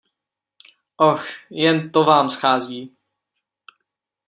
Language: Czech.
Oh, jen to vám schází!